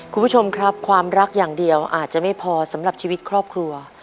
คุณผู้ชมครับความรักอย่างเดียวอาจจะไม่พอสำหรับชีวิตครอบครัว